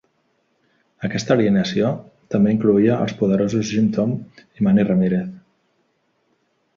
Aquesta alineació també incloïa els poderosos Jim Thome i Manny Ramírez.